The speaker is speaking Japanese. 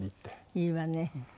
いいわね。